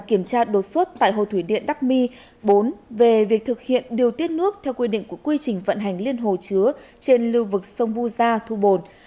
kiểm tra đột xuất tại hồ thủy điện đắc mi bốn về việc thực hiện điều tiết nước theo quy định của quy trình vận hành liên hồ chứa trên lưu vực sông vu gia thu bồn